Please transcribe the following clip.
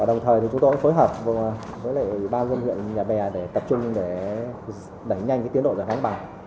đồng thời chúng tôi cũng phối hợp với lệ ủy ban dân huyện nhà bè để tập trung để đẩy nhanh tiến độ giải phóng bằng